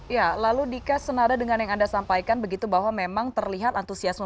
ya lalu dika senada dengan yang anda sampaikan begitu bahwa memang terlihat antusiasme